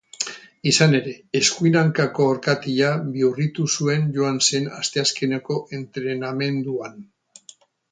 Izan ere, eskuin hankako orkatila bihurritu zuen joan zen asteazkeneko entrenamenduan.